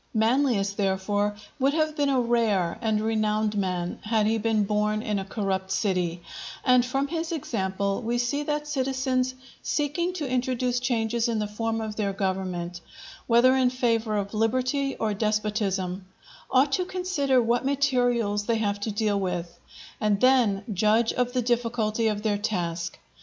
Manlius, therefore, would have been a rare and renowned man had he been born in a corrupt city; and from his example we see that citizens seeking to introduce changes in the form of their government, whether in favour of liberty or despotism, ought to consider what materials they have to deal with, and then judge of the difficulty of their task.